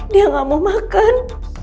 dia gak mau makan